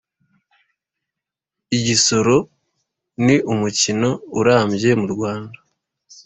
igisoro ni umukino urambye mu rwanda